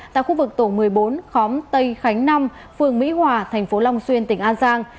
tại khu vực tổ một mươi bốn khóm tây khánh năm phường mỹ hòa thành phố long xuyên tỉnh an giang